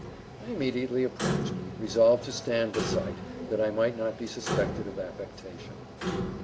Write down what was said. I immediately approached, resolved to stand the sight, that I might not be suspected of affectation.